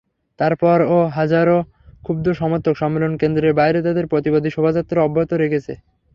তারপরও হাজারো ক্ষুব্ধ সমর্থক সম্মেলন কেন্দ্রের বাইরে তাদের প্রতিবাদী শোভাযাত্রা অব্যাহত রেখেছে।